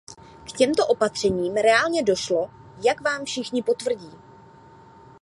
K těmto opatřením reálně došlo, jak vám všichni potvrdí.